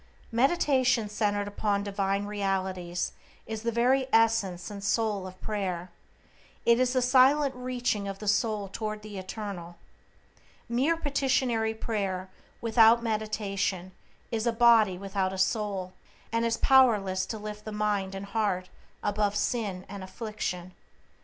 Meditation centered upon divine realities is the very essence and soul of prayer. It is the silent reaching of the soul toward the Eternal. Mere petitionary prayer without meditation is a body without a soul, and is powerless to lift the mind and heart above sin and affliction.